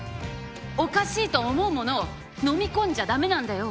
おかしいと思うものをのみ込んじゃ駄目なんだよ。